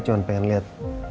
cuma pengen liat